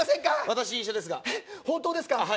私医者ですがえっ本当ですか？